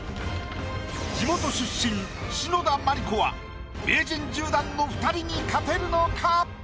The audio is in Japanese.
地元出身篠田麻里子は名人１０段の２人に勝てるのか？